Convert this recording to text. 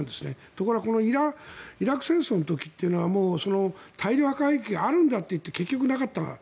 ところがこのイラク戦争の時というのはもう大量破壊兵器があるんだっていって結局なかった。